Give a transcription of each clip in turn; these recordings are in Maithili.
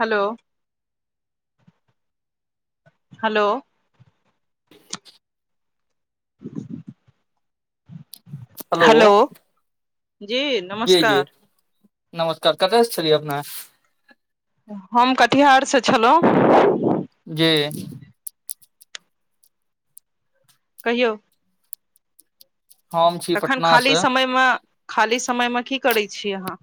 हेलो हेलो [inaudible] हेलो जी जी जी नमस्कार नमस्कार कतय से छलियै अपना आर हम कटिहारसँ छलौं जी कहियौ हम छी तखन पटना खाली से समयमे खाली समयमे की करै छी अहाँ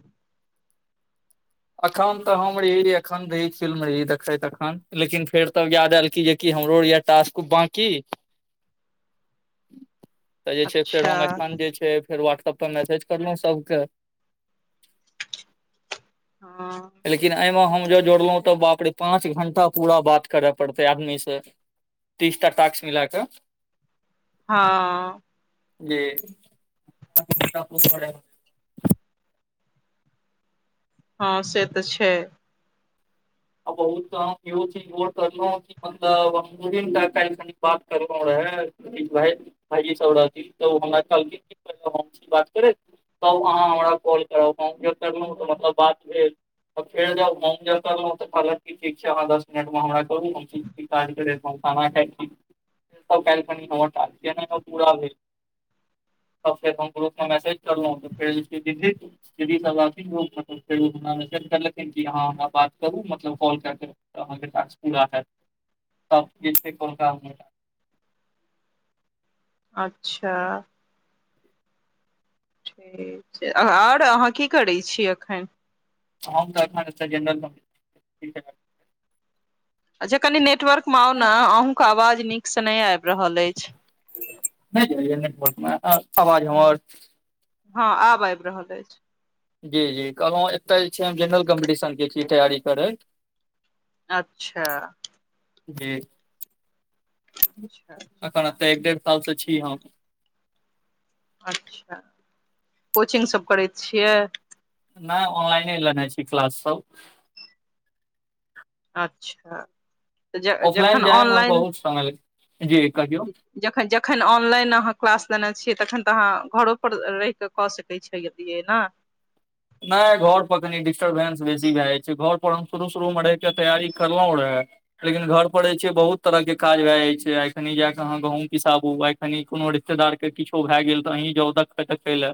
अखन तऽ हम रही एखन रहि फिल्म रही देखैत अखन लेकिन फेर तब याद एयल की जेकि हमरो टास्क बाँकी तऽ जे छै फेर अच्छा हम अखन जे छै फेर व्हाट्सप पर मैसेज करलहुँ सबके हँ लेकिन एहिमे हम जँ जोड़लहुँ तऽ बाप रे पाँच घण्टा पूरा बात करय पड़तै आदमी से तीसटा टास्क मिला कऽ हँ जी हँ से तऽ छै [unintelligible] [unintelligible] भाइजी सब रहथिन तऽ हमरा कहलखिन बात करै तब अहाँ हमरा कॉल करब हम फेर करलौं तऽ मतलब बात भेल तऽ फेर जब हम चेक करलौं तऽ कहलक ठीक छै दस मिनट मे हमरा कराज पहुँचाना काल्हिखन हमर टास्क पूरा नहि भेली तब फेर हम ग्रुप मे मैसेज करलो फेर जे छै दीदी दीदी सब रहथिन मतलब फेर करलखिन कि ह हमरा बात करू मतलब कॉल कए क अहाँके टास्क पूरा हैत तऽ जे कॉल अच्छा ठीक छै आओर अहाँ की करैत छी एखन हम तऽ एखन जनरल अच्छै जे कनि नेटवर्क मे आउ ने अहँके आवाज नीक से नहि आबि रहल अछि नहि जाय यै नेटर्कमे आवाज हमर हँ आब आबि रहल अछि जी जी कहलहुँ एतऽ जे छै हम जेनरल कम्पटिशन के छियै तैयारी करै अच्छा कि अच्छा एखन अच्छा एतऽ एक डेढ़ सालसँ छी हम अच्छा कोचिंग सब करैत छियै नहि ऑनलाइन लेने छी क्लास सब अच्छा तऽ ऑफलाइन जखन जाय मे ऑनलाइन बहुत समय जी कहियौ जखन जखन ऑनलाइन अहाँ क्लास लेने छियै तखन तऽ अहाँ घरो परर रहि कऽ कऽ सकैत छलियै ने नहि घर पर कनि डिस्टर्बेंस बेसी भए जाइ छै घर पर हम शुरू शुरू मे रहिके तैयारी करलहुं यै लेकिन घर परर जे छै बहुत तरहके काज भए जाइत छै आइ कनी जा कऽ अहाँ गहूँम पिसाबू आ तनि कोनो रिश्तेदार के किछो भए गेल तऽ अहीं जाउ देखै देखै लए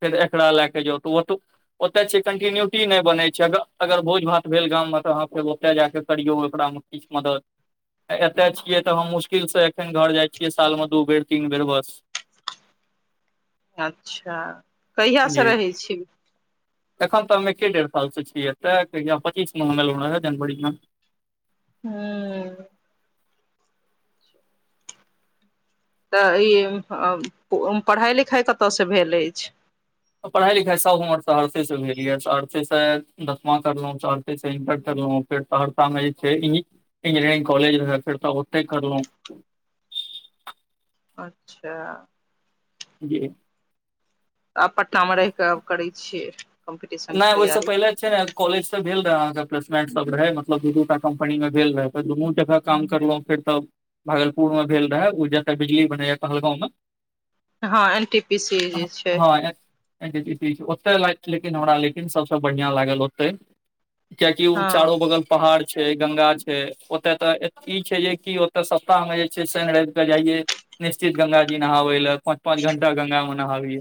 फेर एकराा लए के जाउ तऽ ओतऽ ओतय छै कन्टीन्यूटी नहि बनै छै अगर भोज भात भेल गाममे तऽ अहाँ फेर ओतय जा कऽ करियौ ओकरामे किछ मदद एतय छियै तऽ हम मुश्किलसँ एखन घर जाइ छियै सालमे दू बेर तीन बेर बस [inaudible] अच्छा कहियासँ जी रहै छी एखन तऽ हममे एक डेढ़ साल से छियै एतया पच्चीस एलहुँ जनवरी मे हूँ तऽ ई पढ़ाइ लिखाइ कतऽसँ भेल अछि पढ़ाई लिखाई सभ हमर सहरसेसँ भेल यए सहरसेसँ दसमा करलहुँ सहरसेसँ इंटर करलहुँ फेर सहरसा मे जे छै इंजीनियरिंग कॉलेज रहे फेर तऽ ओते करलहुं अच्छा जी आब पटनामे रहि कऽ करैत छियै कम्पीटिशन के नहि ओहि सँ तैयारी पहिले कॉलेज सब भेल रहे अहाँके प्लेसं सब रहे मतलब दू दूटा कम्पनी मे भेल रहे दुनू जगह काम करलों फेर त भागलपुर मे भेल रहै ओ जतऽ बिजली बनैया कहहलगाँवं हँ एन टी पी सी जे छै ओतहि ल लेकिन हमरा लेकिन सभसँ बढ़िआँ लागल ओतहि कियेकी ओ हँ चारू बगल पहाड़ छै गंगा छै ओतय तऽ ई छै जे कि ओतय सस्ता मे जे छै शनि रव केऽ जाइये निश्चित गंगााजी नहाबै लै पाँच पांच घंटा गंगा मे नहाबे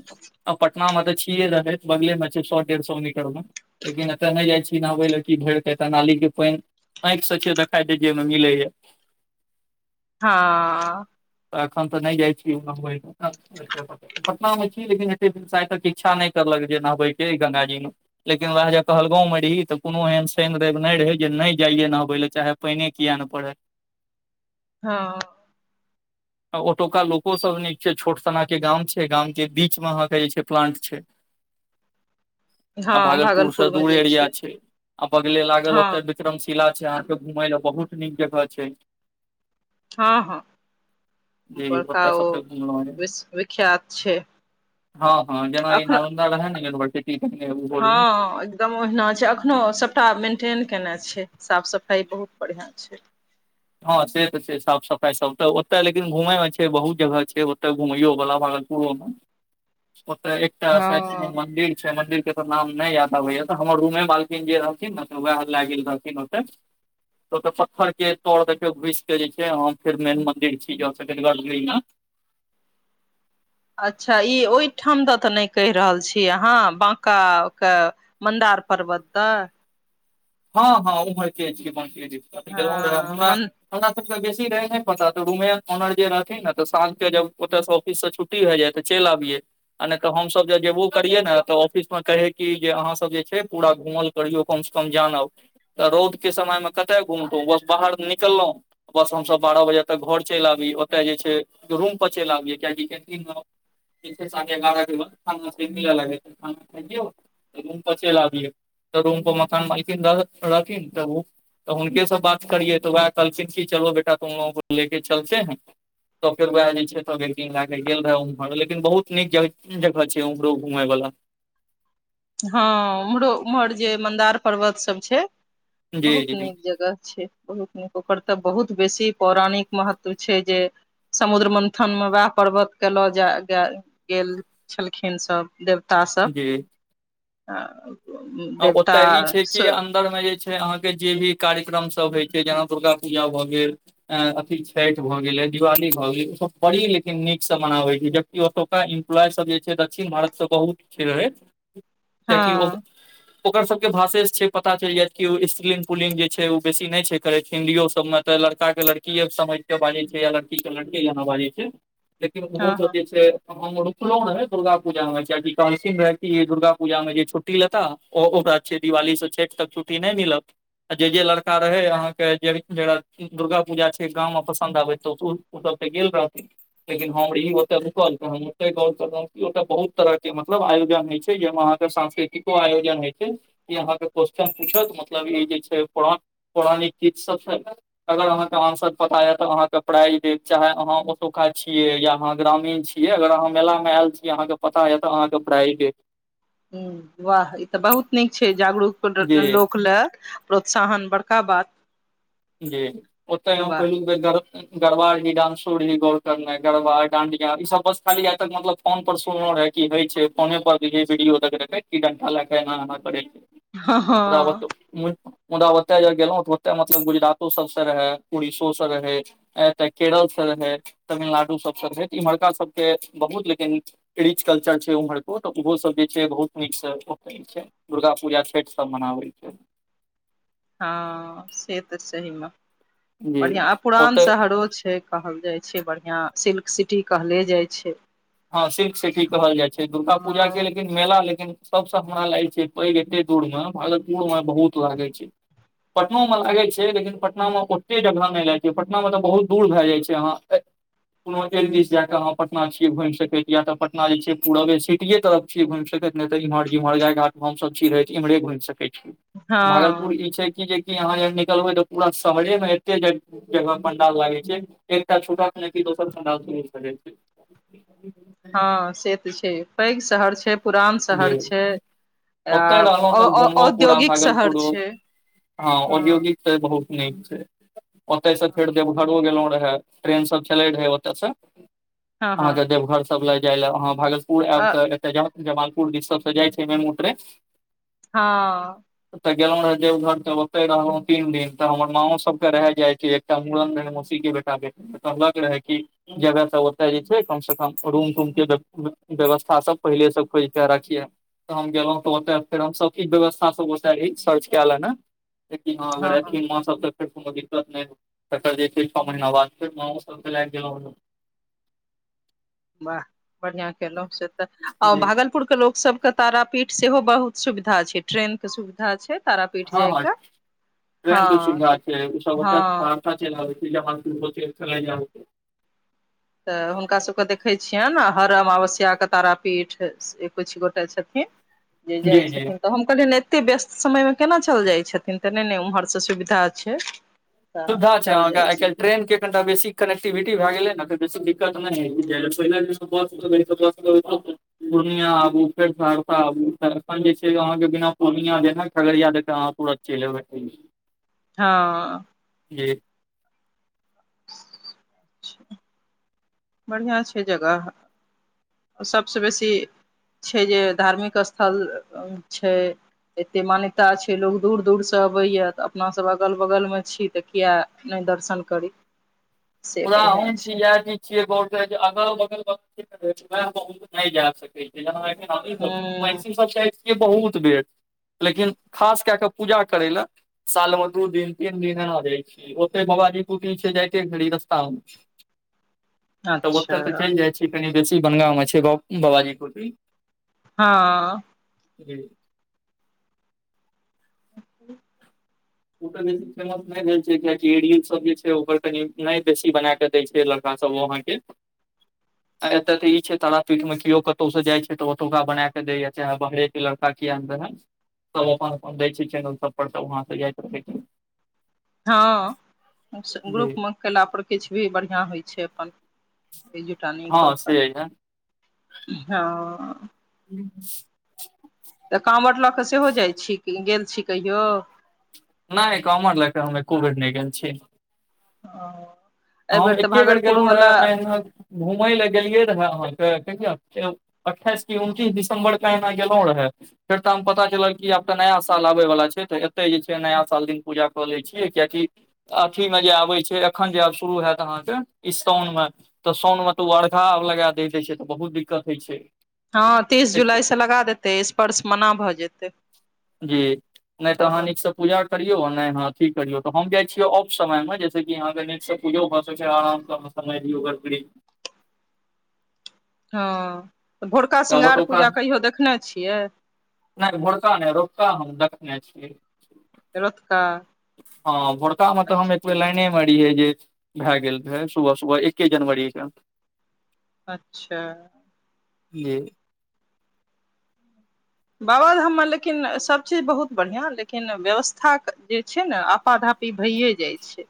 आ पटना मे तऽ छीये रहे बगले मे सए डेढ़ सए निकल मे लेकिन एतय नहि जाइ छी नहाबै लए कि भरि त एऽ नाली के पानि आँखिसँ छैिय देखाइ दे जेमे मिलैए हँ तऽ एखन तऽ नहि जाइ छी उ हो पटना मे छी लेकिन एत्यसाय तक इच्छा नहि करलक जे नहबेके गंगाजी मे लेकिन उएह जे कहलगाँवमे रही तऽ कोनो एहन शनि रवि नहि रहै जे नहि जाइयै नहबय लए चाहे पाइने किया नहि परै हँ [inaudible] ओतुका लोको सब नीक छै छोट सना के गाम छै गाम के बीच में अहाँ के जे छै प्लांट छै आ हँ भागलपुर से मे दूर जे एरिया छै आ बगले लागल हँ ओते विक्रमशिला छै अहाँके घूमय ले बहुत नीक जगह छै हँ हँ जी बड़का ओतय ओ सबसँ घुमलहुँ विश्व विख्यात छै हँ हँ जेना ई अखन नालंदा रहै न युनिवर्सिटी कि कहलियै हँ दम ओहिना छै एखनो सभटा मेन्टेन केने छै साफ सफाइ बहुत बढ़िआँ छै हँ से तऽ छै साफ सफाई सब तऽ ओतय लेकिन घुमेय मे छै बहुत जगह छै ओतए घुमयो वाला भागलपुरो मे ओत एकटा हँ साइड मन्दिर छै मन्दिरके नाम नहि याद आबैया तऽ हमर रूमे माल्किन जे रहलखिन ने वएह लए गेल रहथिन ओते तऽ ओत पत्थर के तोर देखियौ घुस के जे छै फेर मेन मन्दिर छी [unintelligible] अच्छा ई ओहिठाम दऽ तऽ नहि कहि रहल छी अहाँ बाँकाके मन्दार पर्वत तऽ हँ हँ ओम्हर के छै बाँके दिस गेलौं रहै हँ हमरा मन हमरा सबके बेसी रहे ने पता त रूमे ऑनर जे रहथिन ने त शाम के ओतस ऑफिस से छुट्टी भऽ जाइ तऽ चलि आबियए आ नहि तऽ हमसभ जे जेबो करियै ने तऽ ऑफिसमे कहै कि जे अहाँसभ जे छै पूरा घुमल करियौ कमसँ कम जानब तऽ रौद के समय मे कते घुमतौ बस बाहर निकललहु बस हमसभ बारह बजे तक घर चलि आबी ओतय जे छै रूम पर चलि अबियै किया कि केंटीन मे जे छै साढ़े ग्यारह के बाद खाना सब मिले लागै छै रूम पर चलि अबियै तऽ रूम पर मकान मालकीन रहथीन तऽ उ तऽ हुनके से बात करियै तऽ वएह कहलखिन कि चलो बेटा तुम लोगो को ले के चलते हैं तऽ फेर वएह जे छैे त टिंग लय के गेल रहे उमहर लेकिन बहुत नीक जगह छियै उम्हरो घुमै वला हँ उम्हरो उम्हर जे मन्दार पर्वत सब छै जी बहुत जी नीक जगह छै बहुत नीक ओकर तऽ बहुत बेसी पौराणिक महत्व छै जे समुद्र मन्थन मे वएह पर्वत के लऽ जा गेल छलखिन सब देवता सब जी देवता आ देवता अन्दर मे जे छै अहाँके जे भी कार्यक्रम सब होइ छै जेना दुर्गा पूजा भऽ गेल अथी छठि भऽ गेलै दिवाली भऽ गेलै ओसभ बड़ी लेकिन नीकसँ मनाबैत छै ज ओतुका इम्प्लॉय सब जे छै दक्षिण भारत से बहुत छै रहैत कियाकि ओ हँ [inaudible] ओकर सब के भाषे से छै पता चल जायत कि स्त्रीलिंग पुलिंग जे छै उ बेसी न छै करे छै हिन्दीयो सब मे तऽ लड़का के लड़कीये समझ के बाजै छै या लड़की के लड़के जेना बाजै छै लेकिन उहो हँ हँ सब जै छैे हम रुकलौं हैं दुर्गा पूजामे कियाकि कहलखिन रहै कि दुर्गा पूजा मे जे छुट्टी लेता ओकरा दिवाली से छठ तक छुट्टी नहि मिलत आ जे जे लड़का रहै अहाँके जे दुर्गा पूजा छै गाँवमे पसन्द आबैत तऽ उ ओ सब तऽ गेल रहथिन लेकिन हम रहियई ओते रुकल के हम ओते गांव सब ओते बहुत तरह के के मतलब आयोजन होइ छै जेमे अहाँके सांस्कृतिको आयोजन होइ छै ई अहाँके क्वेश्चन पूछत मतलब ई जे छै प पौराणिक गीत सब छै अगर अहाँ के आंसर पता या त अहा के प्राइज देत चाहे अहाँ ओतौका छियै या अहाँ ग्रामीण छियै अगर अहाँ मेला मे आयल छियै अहाँके पता या तऽ अहाँके प्राइज देत ह वाह ई तऽ बहुत नीक छै जागरूक जी लोक लए प्रोत्साहन बड़का बात जी ओतय हम वाह पहिलुक बेर गरबा जी डानसो गोर करने गरबा डाडिया ई सब बस खाली जा तक मतलब फोन पर सुनल रहे की हे छै फोने पर वीडियो देख की डंटा लए एना एना कर छै ओ हँ मुदा ओत गेलहु ओ ओे गुजरातो सबसँ रहै उड़ीसो से रहै एतऽ केरलसँ रहै तमिलनाडु सभसँ रहै तऽ इम्हरका सभके बहुत लेकिन रीच कल्चर छै उम्हरक तऽ ओहो सब जे छै बहुत नीकसँ दुर्गा पूजा छठि सब मनाबै छै हँ से तऽ सहीमे जी बढ़िआँ आ पुरान ओतय शहरो छै कहल जाइ छै बढ़ियां सिल्क सिटी कहले जाइ छै हँ सिल्क सिटी कहल जाइ छै दुर्गा पूजाके लेकिन मेला लेकिन सबसे हमरा लागै छै पैघ एते दूर मे भागलपुर मे बहुत लागे छै पटनो मे लागै छै लेकिन पटना मे ओते जगह नहि लागै छै पटना मे तऽ बहुत दूर भए जाय छै अह कोनो एक दिस जयाक अहाँ पटना छी घुम सकैत या त पटना जे पूवे सिटीे तरफ छिय घुम सकैत त इमहर इमहरे घाट हमस छी रहे इम्हरे घुमि सकै छी भागलपुर हँ ई छै कि जे यहाँ निकलबै तऽ पूरा शहरे मे एते पंडाल लागे छै एकटा छूट दोसर पंडाल शुरू करै छै जी हँ से तऽ छै पैघ शहर छै पुरान शहर छै आ ओते रहलहुं त घुमलहु पूरा औद्योगिक शहर भागलपुरो छै हँ औद्योगिक से बहुत नीक छै ओतय से फेर देवघरो गेलो रहे ट्रेन सब चले रहै ओतय से हँ हँ अहाँके देवघर सब ले जाय ले अहाँ उ आब तऽ ए जमालपुर दि सबसँ जाइ छै मेम उ ट्रेन हँ ओतऽ गेलहुं रहे देवघर तऽ ओते रहलहुँ तीन दिन तऽ हमर माँओ सबके रहि जाइ छै मड़न मौसी के बेटाबे कहलक रहै कि जेबे से ओते जे छै कम से कम रूम तूम के व्यवस्था सब पहिले सब खोज राखिय तऽ हम गेलहुं तऽ ओत फेर हमस ई व्यवस्था सबते सर्च कए ले ने लेकिन हँ अगर एथिन माँ सब तऽ र कोनो दिक्कत नहि तर जे छै छओ महीना बाद फेर माँ सबके लागि गेल [inaudible] वाह बढ़ियां केलहुँ से तऽ जी भागलपुर के लोकसभ क तारा पीठ सेहो बहुत सुविधा छै ट्रेन के सुविधा छै तारापीठ हँ हँ जायके ट्रेन के हँ सुविधा तऽ छै सब हँ खत [inaudible] तऽ हुनका सभके देखैत छियनि हर अमावस्याके तारापीठ किछ गोटे छथिन जे जी जाइ जी छथिन तऽ हम कहलियै ने एते व्यस्त समयमे केना चलि जाइत छथिन तऽ नहि ने ओम्हरसँ सुविधा छै तऽ सुवधा छै चलि अहाँके जाइ आइ काल्हि छथिन ट्रेन के कनिटा बेसी कनेक्टिविटी भए गेलै ने तऽ बेसी दिक्कत नहि हम बुझलियै पहिल बस पूर्णिया आबू फेर सहरसा आबू तखन जे छै अहाँके बिना पूर्णिया दे खगड़िया दे अहाँ प चलि एबै पूर्णियाँ हँ जी बढ़िआँ छै जगह सभसँ बेसी छै जे धार्मिक स्थल छै एते मान्यता छै लोग दूर दूर से अबैया तऽ अपना सब अगल बगल में छी तऽ किया नहि दर्शन करी [inaudible] से पुरा बढ़िआँ हम छी छै इह चीज छी के अगल बगल मे हम नइ जा सकै हूँ छी सब बहुत बेर लेकिन खास कए कऽ पूजा करय लए साल मे दू दिन तीन दिन एना जाय छै ओते बाबाजी कुटि छै जाइते घड़ी रस्तऽ तामे ओतऽ तऽ अच्छा चलि जाइ छै कनि बेसी बनगाँव मे छै गाऊ बाबाजी की कुटी हँ जी अ [unintelligible] ओ त बेसी फेमस नहि भेल छै किया कि रील सब जे छै ओकर कनि नहि बेसी बना के दय छै लड़का लड़का सब वहाँ के आ एतय तऽ ई छै तारापीठ मे केओ कतहु से जाइ छै तऽ ओतुका बना क के दैया चाहे बाहरे के लड़का किया ने रहै सभ अपन अपन दै छै चैनल सभ पर सभ वहाँ से जाइत रहै छै हँ जी ग्रुप मे केला पर किछ भी बढ़िआँ होइ छै अपन ई जुटानी हँ कऽ से य कऽ हाँ हूँ तऽ काँवर लऽ कऽ सेहो जाइत छी गेल छी कहियो नहि काँवर लएकऽ हम एको बेर नहि गेल छीयै ओ हम एके बेर गेलहुँ रहे ए घूमय लए गेलियै रह अहाँ के कहीया अट्ठाइस कि उनतीस दिसंम्बर क एहना गेलौं रहे फेर तऽ हम पता चलल कि आब तऽ नया साल अबय वला छै तऽ एतहि जे छै नया साल दिन पूजा कऽ लैत छियै किया कि अथी मे जे आबै छै एखन जे आब शुरू होयत अहाँ के शोऊन मे तऽ साउन मे तऽ ओ अर्घा लगा द द छै तऽ बहुत दिक्कत होइ छै हँ तीस जुलाइ से लगा देतै स्पर्श मना भऽ जेतै जी नहि तऽ अहाँ बाबा के नीक सँ पूजा करियऔ नहि ह अथी करियौ तऽ हम जाइ छियै ऑफ समय मे जैसे कि अहाँ के नीक से पूजो भए सकै आराम कर समय दिय ओकर हँ तऽ भोरका तऽ श्रृगार ओतुका पूजा कहियो देखने छियै नहि भोरका नहि रोतका हम देखने छीयै रउतका हँ भोड़का मे तऽ हम ओहि लाइने मे रहियै जे भए गेल रह सुबह सुबह एके जनवरी के अच्छा जी बाबा धाम मे लेकिन सभचीज बहुत बढ़िआँ लेकिन व्यवस्था जे छै ने आपाधापी भैए जाइ छै